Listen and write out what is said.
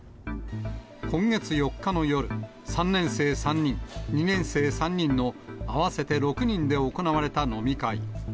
今月４日の夜、３年生３人、２年生３人の合わせて６人で行われた飲み会。